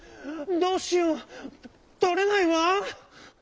どうしようとれないわ！」。